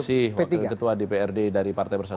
masih ketua dprd dari partai persatuan